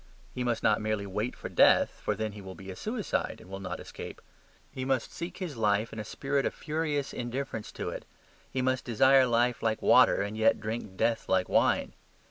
He must not merely wait for death, for then he will be a suicide, and will not escape. He must seek his life in a spirit of furious indifference to it; he must desire life like water and yet drink death like wine.